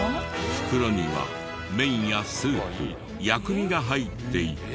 袋には麺やスープ薬味が入っていて。